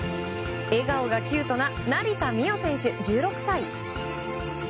笑顔がキュートな成田実生選手、１６歳。